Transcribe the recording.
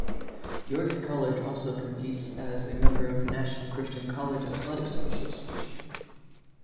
York College also competes as a member of the National Christian College Athletic Association.